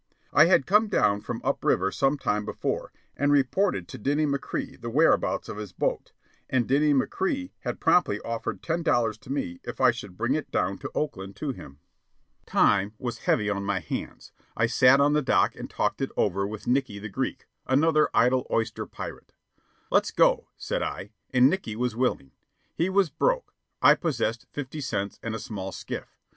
I had come down from "up river" some time before, and reported to Dinny McCrea the whereabouts of his boat; and Dinny McCrea had promptly offered ten dollars to me if I should bring it down to Oakland to him. Time was heavy on my hands. I sat on the dock and talked it over with Nickey the Greek, another idle oyster pirate. "Let's go," said I, and Nickey was willing. He was "broke." I possessed fifty cents and a small skiff.